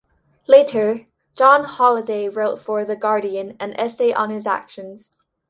Later, John Holliday wrote for the "Guardian" an essay on his actions.